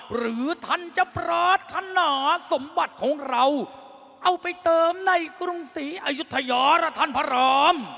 หรือท่านจะปรารถนาสมบัติของเราเอาไปเติมในกรุงศรีอายุทยาล่ะท่านพระราม